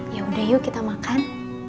yaudah yuk kita makan